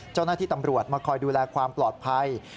เจ้าหน้าที่ตำรวจมาคอยดูแลความปลอดภัย